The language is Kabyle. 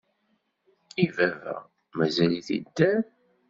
I baba? Mazal-it idder?